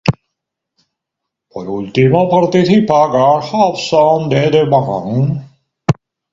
Por último, participa Garth Hudson, de The Band.